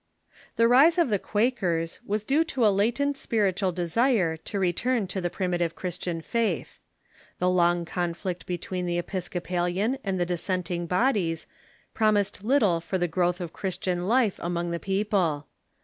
"] The rise of the Quakers was due to a latent spiritual desire to return to the primitive Christian faith. The long conflict between the Episcopalian and the dissenting bodies Oifak^Hsm pi'o™ised little for the growth of Christian life among the people.